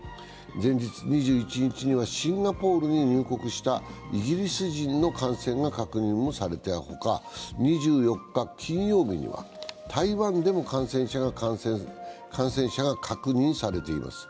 前日２１日にはシンガポールに入国したイギリス人の感染が確認されたほか、２４日、金曜日には台湾でも感染者が確認されています。